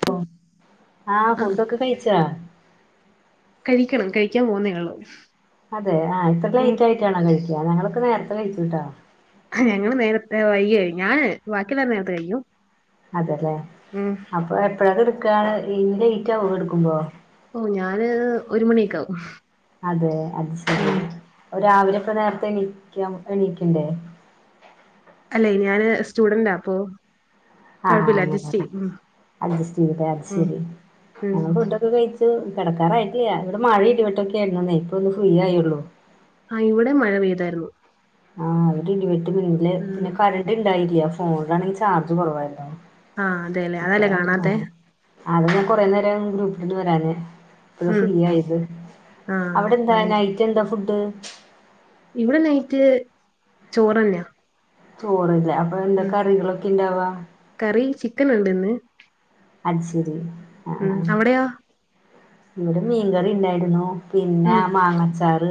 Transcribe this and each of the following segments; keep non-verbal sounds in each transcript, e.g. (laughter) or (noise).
പ്പം. ആഹ് ഫുഡൊക്കെ കഴിച്ചാ? കഴിക്കണം കഴിക്കാൻ പോവുന്നേ ഒള്ളൂ. അതെ ആഹ് ഇത്ര ലേറ്റ് ആയിട്ടാണോ കഴിക്ക്യാ. ഞങ്ങളൊക്കെ നേരത്തെ കഴിച്ചൂട്ടോ ഞങ്ങള് നേരത്തെ വയ്യേ ഞാന് ബാക്കിയുള്ളോര് നേരത്തെ കഴിക്കും. അതെല്ലേ. ഉം അപ്പൊ എപ്പഴാ കെടക്കാ? ഇനി ലേറ്റ് ആവോ കെടക്കുമ്പോ. ഓഹ് ഞാന് ഒരു മണിയൊക്കാവും. അതെ അത് ശെരി രാവിലെ ഇപ്പം നേരത്തെ എണീക്ക എണീക്കണ്ടേ അല്ലെ ഞാന് സ്റ്റുഡന്റാ അപ്പൊ ആഹ് ആഹ് കൊഴപ്പില്ല അഡ്ജസ്റ്റ് അങ്ങനെലേ ചെയ്യും ഉം അഡ്ജസ്റ്റ് ചെയ്തിട്ടെ അത് ഉം ശരി ഉം ഞങ്ങൾ ഫുഡ് ഡ് കഴിച്ചു കിടക്കാറായിട്ടില്ല ഇവിടെ മഴ ഇടിവട്ടൊക്കെ ആയിരുന്നുന്നേ ഇപ്പൊ ഒന്ന് ഫ്രീ ആയൊള്ളൂ ആഹ് ഇവിടെ മഴ പെയ്തായിരുന്നു ആഹ് ഇടി വെട്ട് പിന്നില് ഉം പിന്നെ കറണ്ട് ഉണ്ടായില്ല ഫോണിലാണെങ്കിൽ ചാർജ് കുറവായിരുന്നു ആഹ് അതെല്ലെ അതാല്ലേ കാണാത്തെ അത ഞാൻ കുറെ നേരം ഗ്രൂപ്പില് വരാഞ്ഞേ ഇപയ ഉം ഫ്രീ ആയത് ആഹ് അവിടെ എന്താ അങ്ങനെ നൈറ്റ് എന്താ ഫുഡ് ഇവിടെ നൈറ്റ് ചോറന്നെയാ ചോറല്ലേ അപ്പൊ എന്താ ഉം കറികളൊക്കെ ഇണ്ടാവാ കറി ചിക്കൻ ഉണ്ട്ന്ന് അത് ശരി ആ ഉം അവിടെയോ ഇവിടെ മീൻകറി ഇണ്ടായിരുന്നു പിന്നെ ഉം മാങ്ങച്ചാറ്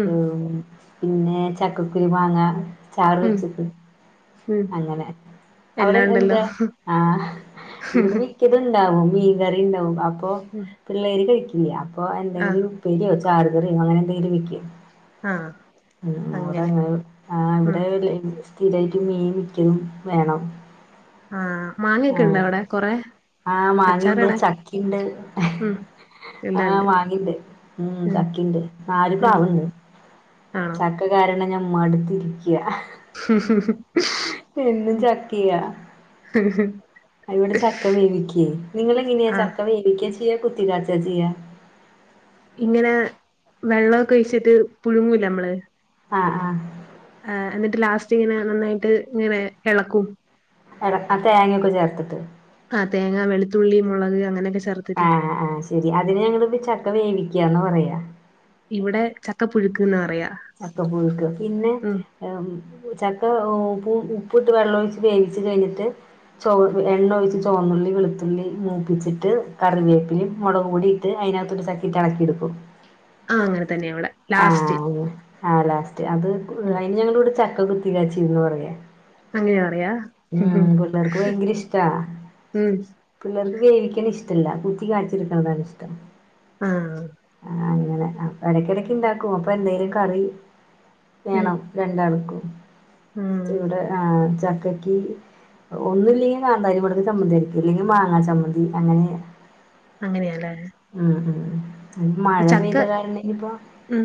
ഉം പിന്നെ ചക്കക്കുരു മാങ്ങ ചാറ് ഉം വെച്ചിട്ട് ഉം അങ്ങനെ അവിടെ എല്ലാം ഉണ്ടല്ലോ എന്താ ആഹ് ഇവടെ മിക്കതുണ്ടാവും മീൻകറി ഉണ്ടാവും അപ്പൊ പിള്ളേര് കഴിക്കില്ല അപ്പോൾ ആഹ് എന്തെങ്കിലും ഉപ്പേരിയോ ചാറ്കറിയോ അങ്ങനെ എന്തെങ്കിലും വക്കും ആഹ് അങ്ങനെ (unintelligible) ആഹ് ഉം ഇവിടെ സ്ഥീരായിട്ടും മീൻ മിക്കതും വേണം ആഹ് മാങ്ങൊക്കെ ആഹ് ഉണ്ടോ അവിടെ കൊറെ ആഹ് മാങ്ങിണ്ട് അച്ചാറിടാൻ ചക്കിണ്ട് ഉം എല്ലാം ആഹ് ഇണ്ട് മാങ്ങിണ്ട് ഉം ചക്കിണ്ട് നാല് ഉം പ്ലാവ് ണ്ട് ആണോ ചക്ക കാരണം ഞാൻ മടുത്തിരിക്ക ഉം ഉം ഉം എന്നും ചാക്കയാ ഇവിടെ ചക്ക വേവിക്ക നിങ്ങള് എങ്ങനെയാ ആഹ് ചക്ക വേവിക്ക ചെയ്യ കുത്തിക്കാച്ച ചെയ്യ ഇങ്ങനെ വെള്ളെക്കെഴിച്ചിട്ട് പുഴുങ്ങൂലെ മ്മള്. ആഹ് ആഹ്. എന്നിട്ട് ലാസ്റ്റ്ങ്ങനെ നന്നായിട്ട് ങ്ങനെ എളക്കും. എട ആ തേങ്ങയൊക്കെ ചേർത്തിട്ട്. ആഹ് തേങ്ങാ വെളുത്തുള്ളി മൊളക് അങ്ങനെയൊക്കെ ചേർ ആഹ് ആഹ് ശെരി അതിന്ഞങ്ങളിത് ചക്ക വേവിക്യന്ന പറയാ. ഇവിടെ ചക്കപ്പുഴുക്ക് ന്ന് പറയാ. ചക്ക പുഴുക്ക് പിന്നെ. ഉം ചക്ക ഉപ്പു ഉപ്പുട്ട് വെള്ളെഴിച്ച് വേവിച്ച് കഴിഞ്ഞിട്ട്. ചൊവ് എണ്ണ ഒഴിച്ച് ചൊവന്നുള്ളി വെളുത്തുള്ളി മൂപ്പിച്ചിട്ട് കറിവേപ്പിലിം മൊളക് പൊടി ട്ട് അയിനകത്ത് ഒരു ചക്കീട്ട് എളക്കിട്ക്കും. ആഹ് അങ്ങനെതന്നെ വിടെ. ആഹ് ആഹ് ലാസ്റ്റ് അത് ഉം അയിന് ഞങ്ങളിവിടെ ചക്ക കുത്തികാച്ചീന്ന് പറയാ. അങ്ങനെയാ പറയാ ഉം പിള്ളേർക്ക് ഭയങ്കരഷ്ടാ. ഉം പിള്ളെർക്ക് വേവിക്കിണഷ്ടല്ല കുത്തി കാച്ചിട്ക്ക്ണതാ ഇഷ്ടം. ആഹ് ആഹ് അങ്ങനെ എടക്കെടക്ക് ണ്ടാക്കും അപ്പൊ എന്തേലും കറി. ഉം വേണം രണ്ടാൾക്കും ആഹ് ഇവിടെ ആഹ് ചക്കക്ക് ഒന്നുല്ലെങ്കിൽ കാന്താരി മുളക് ചമ്മന്തിയരക്കും ല്ലെങ്കിൽ മാങ്ങാ ചമ്മന്തി അങ്ങനെ. അങ്ങനെ ല്ലെ. ഉം ഉം മഴ പെയ്ത കാരണഞിപ്പോ. ഉം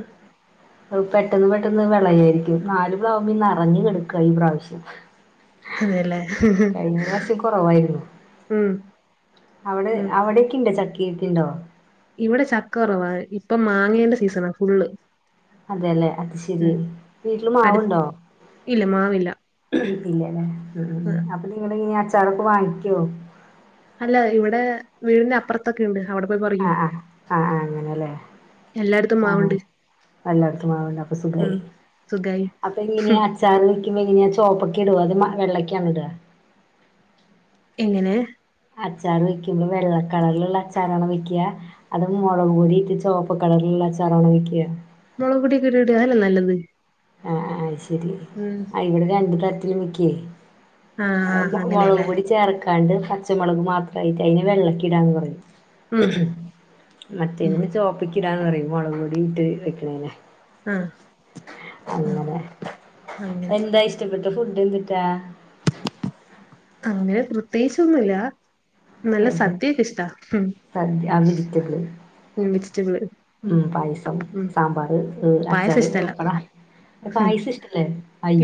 പെട്ടെന്ന് പെട്ടെന്ന് വിളയായിരിക്കും. ന്നാല് പ്ലാവ്മ്മിം നെറഞ്ഞ് കെട്ക്കാ ഈ പ്രാവശ്യം. അതെല്ലേ കഴിഞ്ഞ പ്രാവശ്യം കൊറവായിരുന്നു ഉം അവിടെ ഉം അവിടിം. ക്കിണ്ട ചക്കീക്കണ്ടോ. ഇവടെ ചക്ക കെറവാ ഇപ്പ മാങ്ങെന്റെ സീസണാ ഫുള്ള്. അതെ.. ലെ അത് ശെരി ഉം വീട്ടില് അടു മാവുണ്ടോ. ഇല്ല മാവില്ല ഇം ഇല്ലൃ ല്ലെ. ആ, അപ്പൊ നിങ്ങളിഞി അച്ചാറൊക്കെ വാങ്ങിക്കേ. അല്ല ഇവിടെ വീടിനപ്പർ ക്കണ്ട് അവിടെ പോയി പറിക്കും. ആഹ് ആഹ് ആഹ് ആഹ് അങ്ങനെല്ലേ എല്ലാട്ത്തുംമാവ്ണ്ട്. എല്ലാട്ത്തും മാവ്ണ്ട് അപ്പൊ സുഖായി സുഖായി അപ്പൊ ഇനിയച ചാറ് വെക്കുമ്പേ എങ്ങെനാ ചേപ്പെക്കെടേ അത് വെള്ളക്കാണ് ഇടാ. എങ്ങനെ. അച്ചാറ് വെയ്ക്കുമ്പോ വെള്ളക്കളർല്ള്ള അച്ചാറാ വെയ്ക്കാ. അത് മുളക് പൊടി ഇട്ട് ചേപ്പ് കളർല്ള്ള അച്ചാറാണ് വെയ്ക്കാ മുളകൊടിക്കെ ഇട്ടിട്ട് അതെല്ലെ നല്ലത്. ആഹ് ആഹ് അയ്ശെരി. ഉം ഇവിടെ രണ്ട് തരത്തിലുവെക്കെ, ആഹ് ആഹ് മ്മക്ക് അങ്ങനെയല്ലേ മുളക്പൊടി ചേർ കണ്ട് പച്ചമുളക് മാത്രയിട്ട്. അതിന് വെള്ളക്കിടാന്ന് പറയും. ഉം ഉം മറ്റേതിന് ചേപ്പിക്കിടാന്ന് പറയും മുളക് പെടിട്ട് വെക്ക്ണൈന് ആഹ് ആഹ് അങ്ങനെ, അങ്ങനെ എന്താ ഇഷ്ടപ്പെട്ട ഫുഡ് ന്തിറ്റാ. അങ്ങനെ പ്രത്യേകിച്ചൊന്നുല്ല. നല്ല ഏതാ സദ്യക്കെ ഇഷ്ടാ. ഉം, സദ്യ ആ വെജിറ്റബിള് വെജിറ്റബിള്. ഉം, പായസം, ഉം സാമ്പാറ്, പായസം അച്ചാറ്, ഇഷ്ടല്ല പപ്പട. ഉം പായസ ഇഷ്ടല്ലെ?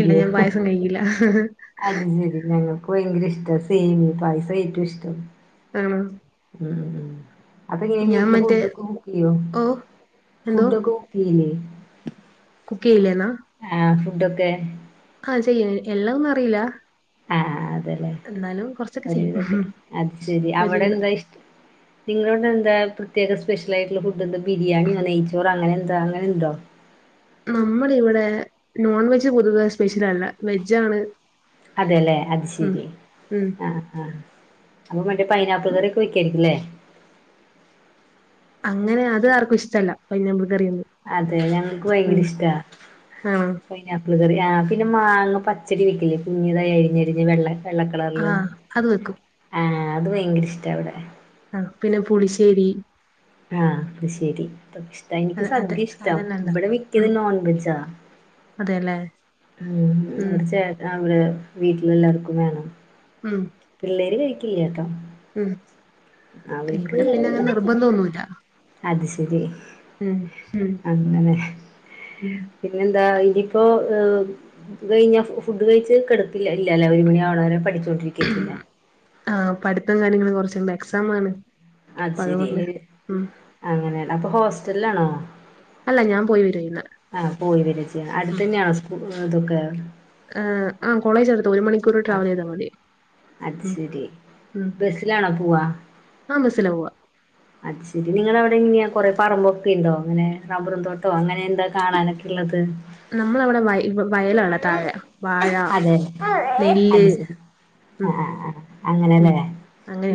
ഇല്ല ഞാൻ പായസം കഴിക്കില്ല അത് ശെരി ഞങ്ങള്. ക്ക് ഭങ്കര ഇഷ്ടാ, സേമീ പായസാ. ഏറ്റും ഇഷ്ടം. ഉം ഉം ഉം അതെങ്ങെനെ വീട്ടില് മറ്റേ ഫുഡൊക്കെ കുക്കെയ്യോ. ഓ എന്തോ ഫുഡ്ഡേക്കെകുക്കെയ്യെ. കുക്കെയ്യില്ലെന്നാ. ആഹ് ഫുഡൊക്കെ ആഹ് ചെയ്യും എ എല്ലാം ഒന്നും അറിയില്ല. ആഹ് അതല്ലേ എന്നാലും കുറച്ചൊക്കെ ചെയ്യും ഒരുവിധോക്കെ അടിച്ചേരി, അവിടെ ഒരുവിധം എന്താ ഇഷ്ട- നിങ്ങളോടെ എന്താ പ്രത്യേക സ്പെഷ്യലായിട്ടുള്ള ഫുഡ് എന്താ ബിരിയാണിയോ നെയ്ച്ചോറ് അങ്ങനെ എന്താ അങ്ങനെണ്ടോ? നമ്മള് ഇവിടെ നോൺ വെജ് പൊതുവെ സ്പെഷ്യൽ അല്ല. വെജ് ആണ് അതേല്ലേ അത് ശരി ഉം ആഹ് ആഹ് അപ്പൊ മറ്റേ പൈനാപ്പിൾ കറിയൊക്കെ വെക്കാരിക്കില്ലേ? അങ്ങനെ അത് ആർക്കും ഇഷ്ടല്ല. പൈനാപ്പിൾ കറിയൊന്നും. അതെ. ഞങ്ങക്ക് ഭയങ്കര ഉം ഇഷ്ടാ. ആണോ പൈനാപ്പിൾ കറി. ആ പിന്നെ മാങ്ങ പച്ചടി വയ്ക്കില്ലേ? കുഞ്ഞതായി അരിഞ്ഞരിഞ്ഞ് വെള്ള- വെള്ളക്കളറില്. ആഹ് അത് വെക്കും ആഹ, അത് ഭയങ്കര ഇഷ്ടവിടെ. ആ പിന്നെ, പുളിശ്ശേരി. ആഹ്. പുളിശ്ശേരി അതൊക്കെ ഇഷ്- എനിക്ക് അതെ അതെ സദ്യ ഇഷ്ടം അതെല്ലാം ഉണ്ടാക്കും ഇവിടെ വിക്ക്ണത് ഉം നോൺ വെജാ. അതെല്ലേ ഉം ഉം അവിടെ ചേട്ടൻ അവിടെ വീട്ടിലെല്ലാർക്കും വേണം. ഉം. പിള്ളേര് കഴിക്കില്ലേട്ടോ ഉം അവർക്ക് - കുല അത് ശരി ഉം അങ്ങനെ ഉം പിന്നെന്താ ഇനിയിപ്പോ- ഇത് കഴിഞ്ഞ ഫുഡ് കഴിച്ച് കിടക്ക ഇല്ലലെ, ഒരു മണി ആണവരെ പഠിച്ചുകൊണ്ടിരിക്കായിരിക്കല്ലേ? ആഹ പഠിത്തം കാര്യങ്ങളും കുറചുണ്ട് എക്സാം ആണ്. അത് അപ്പൊ ശരി. അതുകൊണ്ട് ഉം അങ്ങനെയാണ്, അപ്പൊ ഹോസ്റ്റലിലാണോ? അല്ല ഞാൻ പോയിവരാ ചെയ്യുന്നെ. ആഹ് പോയി വരാ ചെയ്യണെ ഉം അടുത്തന്നെയാണോ സ്കൂളു ഇതൊക്കെ? ആഹ് കോളേജ് അടുത്ത ഒരു മണിക്കൂർ ആ ട്രാവല് ചെയ്താൽ മതി. അത് ഉം ശരി, ബസ്സിലാണോ പോവാ? ആഹ് ബസ്സിലാ പോവാ. അത് ശരി നിങ്ങടെ അവിടെ എങ്ങനെയാ കൊറേ പറമ്പൊക്കെ ഉണ്ടോ അങ്ങനെ റബ്ബറും തോട്ടോ അങ്ങനെ എന്താ കാണാനൊക്കെ ഉള്ളത്. നമ്മളവിടെ വയലാണ് താഴെ വാഴ, നെല്ല്. ഉം ആഹ് ആഹ് ഉം അങ്ങനെയല്ലേ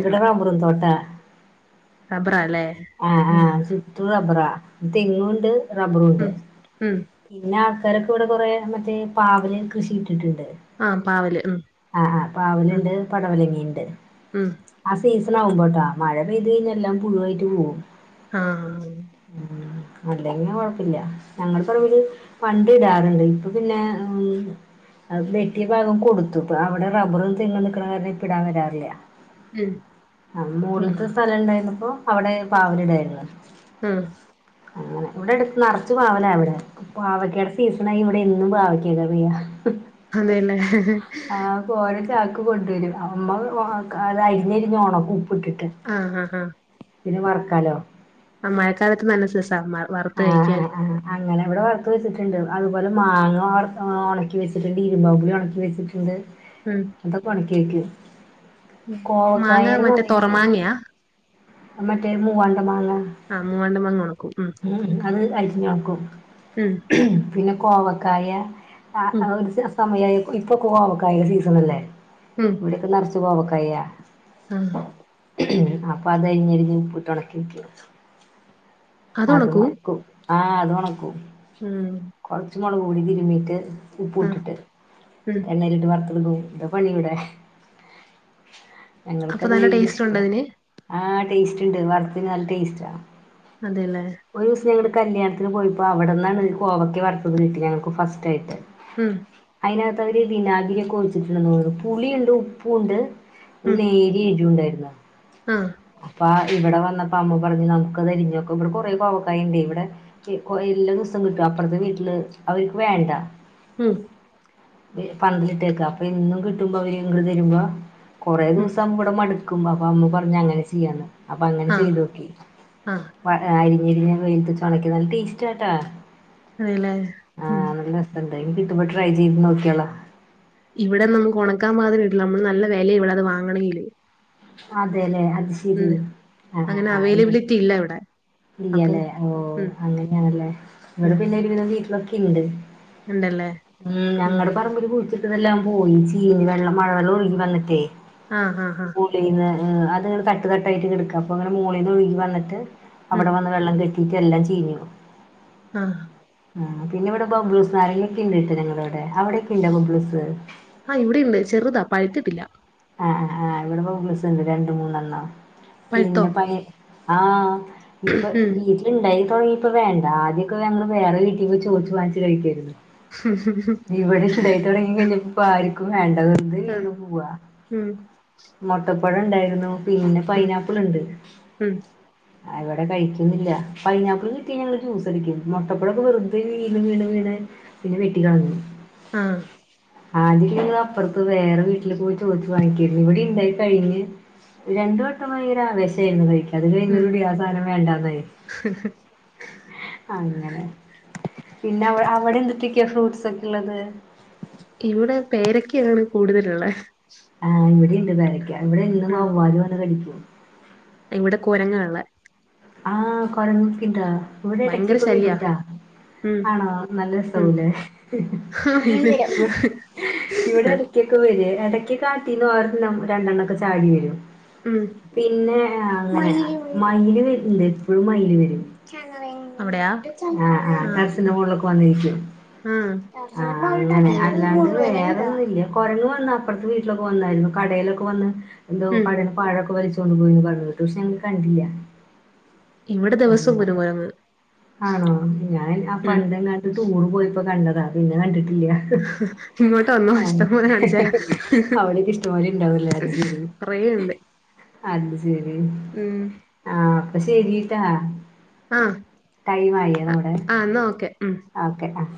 ഇവ്ടെ റബ്ബറുംതോട്ടാ. റബ്ബാറാല്ലേ? ആഹ് ആഹ് ചുറ്റും റബ്ബറാ, തെങ്ങും ഉണ്ട്, റബ്ബറും ഉണ്ട്. ഉം ഉം പിന്നെ ആൾക്കാരൊക്കെ ഇവിടെ കൊറേ മറ്റേ പാവലു കൃഷി ഇട്ടിട്ടുണ്ട്. ആഹ് പാവല് ഉം. ആഹ് ആഹ് ആഹ് പാവലുണ്ട്, പടവലങ്ങയിണ്ട്. ഉം. ആഹ് സീസൺ ആകുമ്പോട്ടോ മഴ പെയ്തു കഴിഞ്ഞ എല്ലാം പുഴുവായിട്ട് പോവും. ആഹ്. അല്ലെങ്കി കൊഴപ്പില്ല ഞങ്ങള് പറമ്പില് വണ്ടി ഇടാറുണ്ട് ഇപ്പൊ പിന്നെ ഉം. അത് വെട്ടിയ ഭാഗം കൊടുത്തു ഇപ്പോ അവിടെ റബ്ബറും, തെങ്ങും നിൽക്കണ കാരണം ഇപ്പോ ഇടാൻ വരാറില്ല. ഉം ആഹ് മോള്ത്തെ സ്ഥലം ഉണ്ടായി രുന്നപ്പോ അവിടെ ഉം പാവല് ഇടായിരുന്നു. ആഹ് അങ്ങനെ ഇവിടെ അടുത്ത് നിറച്ചു പാവലാ ഇവിടെ. പാവയ്ക്കയുടെ സീസണായ ഇവിടെ എന്നും പാവയ്ക്ക കറിയാ. അങ്ങനെ. ആഹ് ഓരോ ചാക്ക് കൊണ്ടുവരും അമ്മ അത് അരിഞ്ഞരിഞ്ഞ് ഉണക്കും ഉപ്പിട്ടിട്ട്. ആഹ് ആഹ് ആഹ്. പിന്നെ വറക്കാലോ. ആഹ് മഴക്കാലത്ത് നല്ല സസാ വറുത് ആഹ് കഴിക്കാന്. ആഹ് ആഹ് അങ്ങനെ അവിടെ വറുത്ത് വെച്ചിട്ടുണ്ട് അതുപോലെ മാങ്ങ വർ ഉണക്കി വച്ചിട്ടുണ്ട്, ഇരുമ്പമ്പുളി ഉണക്കി, വെച്ചിട്ട് ഉണ്ട്. ഉം. എന്താ (unintelligible) മാങ്ങ കോവക്കായട് മറ്റേ സമയം കഴിഞ്ഞോ? തൊറമാങ്ങയാ മറ്റേ മൂവാണ്ടൻ മാങ്ങ. ആഹ് മൂവാണ്ടൻ മാങ്ങ ഒണക്കും ഉം. ഉം അത് അരിഞ്ഞ് ഉണക്കും. ഉം. പിന്നെ കോവക്കായ ഉം ആഹ് ഒരു സമയമായി ഇപ്പൊ കോവക്കായ സീസൺ അല്ലേ? ഉം. ഇവിടയൊക്കെ നിറച്ച് കോവക്കായാ. ആഹ്. അപ്പൊ അത് അരിഞ്ഞ് അരിഞ്ഞ് ഉപ്പിട്ട് ഉണക്കി വയ്ക്കും. അത് ഉണക്കൂ ആഹ് അത് ഉണക്കും. ഉം. കുറച്ചുമുളക് പൊടി തിരുമ്മീട്ട് ഉപ്പ് ആഹ് ഇട്ടിട്ട് ഉം എണ്ണലിട്ട് വറുത്ത് തിന്നു. (unintelligible) പണി ഇവിടെ ഞങ്ങൾക്ക് അപ്പൊ അത് നല്ല ഭയങ്കര ടേസ്റ്റ് ഉണ്ടോ ഇഷ്ടാ. അതിന് ആഹ് ടേസ്റ്റ് ഉണ്ട് വറത്തിന് നല്ല ടേസ്റ്റാ. അതെയല്ലേ. ഒരു ദിവസം ഞങ്ങടെ കല്യാണത്തിന് പോയിപ്പോ അവിടെന്നാണ് കോവയ്ക്ക വറുത്തത് കിട്ടി ഞങ്ങക്ക് ഫസ്റ്റ് ആയിട്ട്. ഉം. അതിനകത്ത് അവര് വിനാഗിരിയോക്കെ ഒഴിച്ചിട്ടുണ്ടെന്ന് തോന്നുന്നു പുളിയുണ്ട്, ഉപ്പും ഉണ്ട്. ഒരു ഉം നേരി എരുവും ഇണ്ടായിരുന്നു ആഹ് അപ്പ ഇവിടെ വന്നപ്പോ അമ്മ പറഞ്ഞു നമുക്ക് തിരിഞ്ഞൊക്കെ ഇടെ കൊറ കോവക്കന്റെ ഇവിടെ എല്ലാ ദിവസം കിട്ടും അപ്പുറത്തെ വീട്ടില് അവർക്ക് വേണ്ട ഉം പന്തലിട്ടേക്ക അപ്പൊ എന്നും കിട്ടുമ്പോ അവര് ഇങ്ങൾ തരുമ്പോ കുറേ ഉം ദിവസം ഇവിടെ മടുക്കും അപ്പോം അമ്മ പറഞ്ഞഞ് അങ്ങനെ ചെയ്യാന്ന് അപ്പൊ അങ്ങനെ ആഹ് ചെയ്ത് നോക്കി ആഹ് അരിഞ്ഞരിഞ്ഞ വെയിലത്തു വെച്ച് ഉണക്കി നല്ല ടേസ്റ്റ് ആട്ടാ അതല്ല ഉം എന്തായാലും കിട്ടുമ്പോ ട്രൈ ചെയ്ത് നോകിയാളാ ഇവിടെ നമ്മുക്ക്‌ ഉണക്കാൻ മാതിരി കിട്ടില്ല നമ്മ നല്ല വിലയ ഇവിടെ അത് വാങ്ങണങ്കിലും അതെല്ലേ അത്ശരി ആഹ് അങ്ങനെ ആഹ് ഇല്ല (unintelligible) ഇവിടെ അപ്പൊ ഇല്ലല്ലേ ഓ ഉം അങ്ങനെയാണല്ലേ ഇവിടെ ഉം പിന്ന ഒരുവിധം വീട്ടിലൊക്കെ ഉണ്ട് ഉണ്ടല്ലേ ഉം ഞങ്ങടെ പറമ്പിൽ പൂത്ത് ഇതെല്ലാം പോയി ചീഞ് വെള്ളം മഴവെള്ളം ഒഴുകി വന്നിട്ടേ ആഹ് ആഹ് അഹ് (unintelligible) അത് ഇങ്ങനെ തട്ട് തട്ടായിട്ട് കിടക്കുവാ അങ്ങനെ മുകളിന്ന് ഒഴുകി വന്നിട്ട് ഉം അടെ വെള്ളം കെട്ടിട്ട് എല്ലാം ചീഞ്ഞു ആഹ് ഉം പിന്നെ ഇവിടെ ബബ്ലൂസ് നാരങ്ങ ഒക്കെ ഉണ്ട് നങ്ങള ഇവിടെ അവിടെയക്ക ഉണ്ടണ്ട് ബബ്ലൂസ് ആഹ് ഇവിടെ ഉണ്ട് ചെറുതാ പഴുത്തിട്ടില്ല ആഹ് ആഹ് ഇവിടെ ബബ്ലസ് ഉണ്ട് രണ്ട് മൂന്നെണ്ണണം പഴുത്തോ പിന്നെ പ ആഹ് ഇപ്പൊ ഉം ഉണ്ടായി തുടങ്ങി ഇപ്പ വേണ്ട ആദ്യമൊക്കെ ഞങ്ങള്ൾ വേറെ വീട്ടിൽ പോയി ചോദിച്ചു വാങ്ങച്ച് കഴിക്കായിരുന്നു (unintelligible) ഇവിടെ ഉണ്ടായി തുടങ്ങി കഴിഞ്ഞപ്പോ ആർക്കും വേണ്ടതന്ന ആഹ് ഉം മുട്ടപ്പഴം ഉണ്ടായിരുന്നു പിന്നെ ഉം പൈനാപ്പിൾ ഉണ്ട് ഉം അവിടെ കഴിക്കുന്നില്ല പൈനാപ്പിൾ കിട്ടി ഞങ്ങള് ജ്യൂസ അടിക്കും മുട്ടപ്പഴൊക്കെ വെറുത വീണു വീണ് വീണ് പിന്നെ വീട്ടികളന്നു ആഹ് ആദ്യ ഒക്കെ അപ്പറത്ത് വേറെ വീട്ടിൽ പോയി ചോദിച്ചു (unintelligible) ഇവിടെ ഉണ്ടായി കഴിഞ്ഞ് രണ്ട വട്ടമായി ഒരു ആവേശമായിരുന്നു കഴി അത് ഉം കൈുന്നൂറ്ടി ആഹ് സാധനം വേണ്ടന്ന അങ്ങനെ പിന്നെ അവിടെ എന്തിട്ടക്കെയ ഫ്രൂട്ട്സ് ഒക്കെ ഉള്ളത് ഇവിടെ പേരൊക്കെയാണ് കൂടുതലുള്ളത് ആഹ് ഇവിടെയുണ്ട് വരക്ക ഇവിടെ ഇന്ന് ഉം വവ്വാല് വന്ന് കടിക്കോ ഇവിടെ കോരങ്ങള്ളെ ആഹ് കൊരങ്ങ്യക്കൊ ഇണ്ടോ ഇവിടെ ഭയങ്കര ടക്കക്ക വരൂ ശല്യ ഉം ആണോ നല്ല ഉം രസവുംലേ ആ പിന്നെ ഇവിടെ (unintelligible) ക്കൊക്കെ വര ഇടയ്ക്ക് കാട്ടീന്ന് രണ്ടെണ്ണംക്കെ ചാടി വരും ഉം പിന്നെ അങ്ങനെ മയില് വരുന്നുണ്ട് എപ്പോഴും മയില് വരും അവിടെയാ ആ്ഹ് ആഹ് ആ റസിന്റെ ആ മുകളിലൊക്കെ വന്നിരിക്കും ആ ഉം ആഹ് അങ്ങനെ അല്ലാണ്ട് ഉം വേറേന്നുമില്ല കുറങ് വന്ന അപ്പുറത്തെ വീട്ടിലൊക്കെ വന്നായിരുന്നു കടയിലൊക്കെ വന്ന് എന്തോ കടയിൽ പാഴൊക്കെ വലിച്ചു ണ്ടു പോയി പറ കേട്ടു പക്ഷെ കണ്ടില്ല ഇവിടെ ദിവസം വരും അങ്ങനെ കൊരങ്ങ് ആണോ ഞാൻ ആഹ് പണ്ടത്തെ എങ്ങാട്ട് ടൂർ പോയിപ്പോ കണ്ടതാ പിന്നെ കണ്ടിട്ടില്ല ഇങ്ങോട്ട് വന്നോ ആഹ് ഇഷ്ടംപോലെ കാണിച്ചു തരാം അവവിടെേക്ക ഇഷ്ടമാല ഇണ്ടാവലേ അത് കൊറെണ്ട്- അത് ശെരി ആഹ് അപ്പൊ ശരിട്ടാ. ആഹ് ടൈം ആയി നമ്മടെ ഉം ഓക്കെ ആഹ്